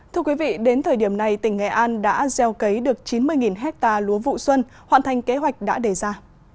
thưa quý vị đến thời điểm này tỉnh nghệ an đã gieo cấy được chín mươi hectare lúa vụ xuân hoàn thành kế hoạch đã đề ra